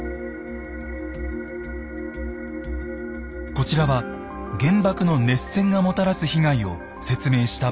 こちらは原爆の熱線がもたらす被害を説明したパネル。